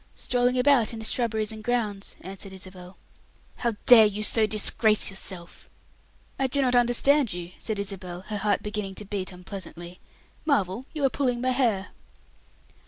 "Strolling about in the shrubberies and grounds," answered Isabel. "How dare you so disgrace yourself!" "I do not understand you," said Isabel, her heart beginning to beat unpleasantly. "Marvel, you are pulling my hair."